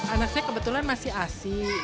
anak saya kebetulan masih asing